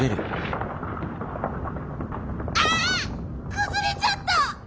くずれちゃった！